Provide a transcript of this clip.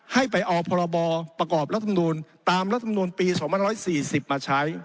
เอาพบประกอบรัฐมนุนตามรัฐมนุนปี๒๐๔๐มาใช้